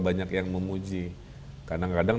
banyak yang memuji kadang kadang